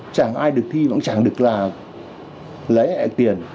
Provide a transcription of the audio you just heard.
chẳng ai được thi vẫn chẳng được là lấy tiền